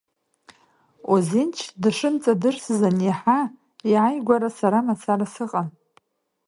Озенч дышмҵадырсыз аниаҳа, иааигәара сара мацара сыҟан.